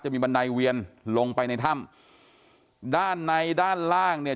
มีบันไดเวียนลงไปในถ้ำด้านในด้านล่างเนี่ย